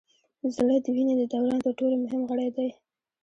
زړه د وینې د دوران تر ټولو مهم غړی دی